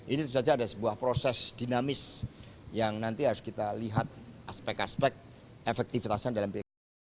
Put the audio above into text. ini tentu saja ada sebuah proses dinamis yang nanti harus kita lihat aspek aspek efektivitasnya dalam pilkada